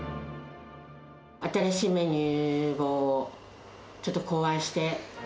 新しいメニューをちょっと考案して。